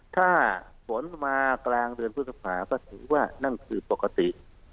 ถ้าฝนมากลางเดือนพฤษภาก็ถือว่านั่นคือปกติ